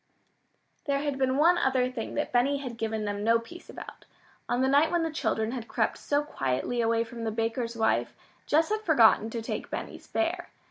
There had been one other thing that Benny had given them no peace about. On the night when the children had crept so quietly away from the baker's wife, Jess had forgotten to take Benny's bear.